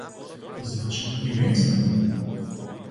Значить, і він з ними?